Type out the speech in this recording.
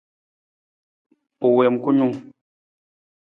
U wii kunung.